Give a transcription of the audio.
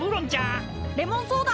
レモンソーダ。